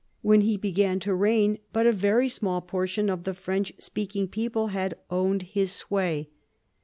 When he began to reign, but a very small portion of the French speaking people had owned his sway.